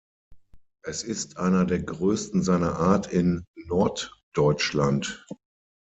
Es ist einer der größten seiner Art in Norddeutschland.